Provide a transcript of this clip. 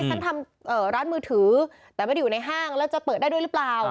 ฉันทำร้านมือถือแต่ไม่ได้อยู่ในห้างแล้วจะเปิดได้ด้วยหรือเปล่า